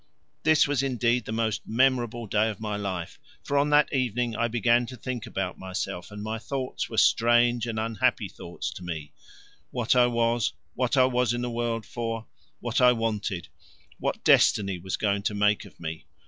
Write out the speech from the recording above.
This was indeed the most memorable day of my life, for on that evening I began to think about myself, and my thoughts were strange and unhappy thoughts to me what I was, what I was in the world for, what I wanted, what destiny was going to make of me!